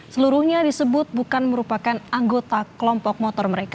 seluruhnya disebut bukan merupakan anggota kelompok motor mereka